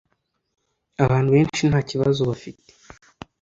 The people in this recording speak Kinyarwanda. Abantu benshi ntakibazo bafite